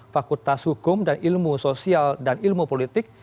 fakultas hukum dan ilmu sosial dan ilmu politik